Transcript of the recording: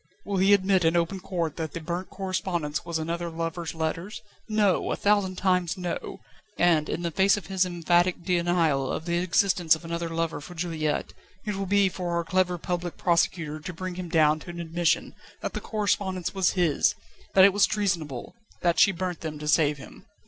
Will he admit in open court that the burnt correspondence was another lover's letters? No! a thousand times no! and, in the face of his emphatic denial of the existence of another lover for Juliette, it will be for our clever Public Prosecutor to bring him down to an admission that the correspondence was his, that it was treasonable, that she burnt them to save him."